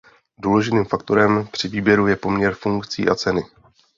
Důležitým faktorem při výběru je poměr funkcí a ceny.